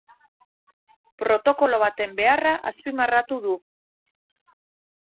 Protokolo baten beharra azpimarratu du.